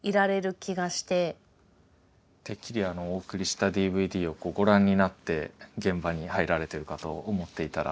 てっきりお送りしたＤＶＤをご覧になって現場に入られてるかと思っていたら。